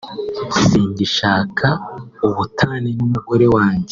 singishaka ubutane n’umugore wanjye